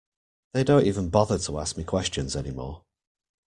They don't even bother to ask me questions any more.